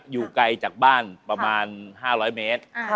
อยู่ไกลจากบ้านประมาณ๕๐๐เมตร